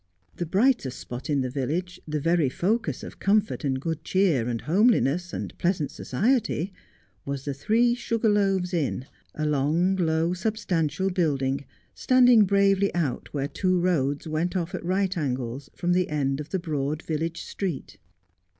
The brightest spot in the village, the very focus of comfort, and good cheer, and homeliness, and pleasant society, was the ' Three Sugar Loaves Inn,' a long, low, substantial building, standing bravely out where two roads went off at right angles from the end of the broad village street.